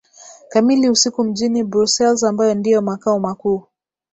kamili usiku mjini Brussels ambayo ndio makao makuu